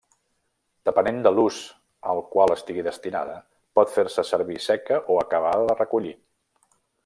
Depenent de l'ús al qual estigui destinada pot fer-se servir seca o acabada de recollir.